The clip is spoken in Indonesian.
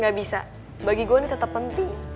gak bisa bagi gue ini tetap penting